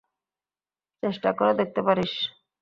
চেষ্টা করে দেখতে পারিস।